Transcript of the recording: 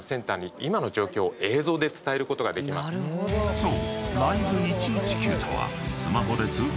［そう］